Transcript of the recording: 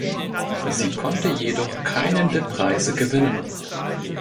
Sie konnte jedoch keinen der Preise gewinnen.